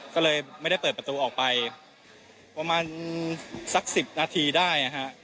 ก็เลยไม่ได้เปิดประตูออกไปประมาณสัก๑๐นาทีได้นะฮะ